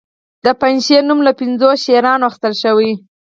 د پنجشیر نوم له پنځو شیرانو اخیستل شوی